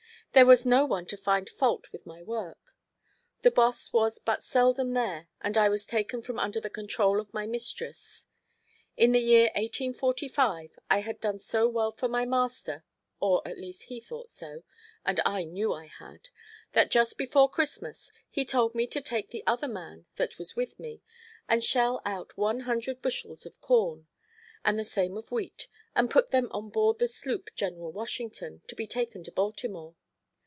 There was no one to find fault with my work. The boss was but seldom there and I was taken from under the control of my mistress. In the year 1845 I had done so well for my master, or at least he thought so—and I knew I had—that just before Christmas he told me to take the other man that was with me and shell out one hundred bushels of corn, and the same of wheat, and put them on board the sloop General Washington, to be taken to Baltimore.